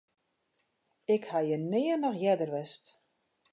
Ik ha hjir noch nea earder west.